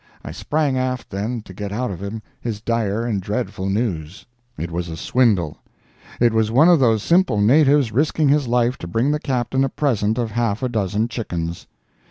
I sprang aft then to get out of him his dire and dreadful news. It was a swindle. It was one of those simple natives risking his life to bring the Captain a present of half a dozen chickens.